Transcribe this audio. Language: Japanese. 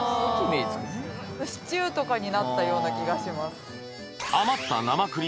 シチューとかになったような気がします。